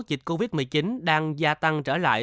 dịch covid một mươi chín đang gia tăng trở lại